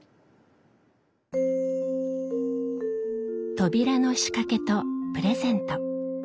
扉の仕掛けとプレゼント。